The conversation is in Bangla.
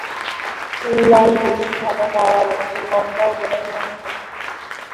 ফুল লাল, হলুদ, সাদা কমলা ও গোলাপি রঙের হয়ে থাকে।